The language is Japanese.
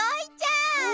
うん。